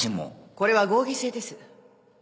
これは合議制です